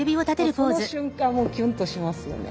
その瞬間キュンとしますよね。